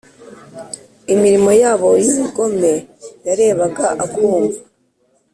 imirimo yabo y ubugome yarebaga akumva